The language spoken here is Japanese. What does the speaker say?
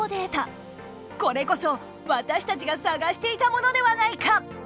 これこそ私たちが探していたものではないか！